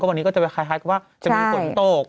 วันนี้ก็จะคล้ายก็ว่าจะมีกลดโต๊ก